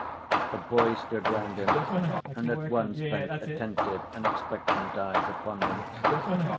The boys stood round him and at once bent attentive and expectant eyes upon him.